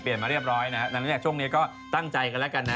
เปลี่ยนมาเรียบร้อยนะฮะเราก็ตั้งใจกันแล้วกันนะฮะ